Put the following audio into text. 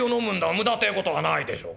無駄てえ事はないでしょう。